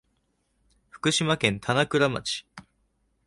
福島県棚倉町